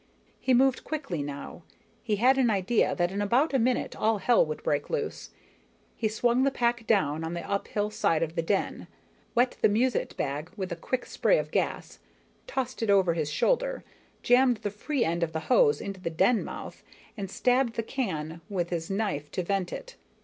He moved quickly now, he had an idea that in about a minute all hell would break loose. He swung the pack down on the uphill side of the den, wet the musette bag with a quick spray of gas, tossed it over his shoulder, jammed the free end of the hose into the den mouth and stabbed the can with his knife to vent it.